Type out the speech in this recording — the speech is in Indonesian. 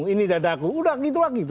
ini dadaku udah gitu lagi